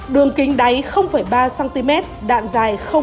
đường kính đáy ba cm đạn giảm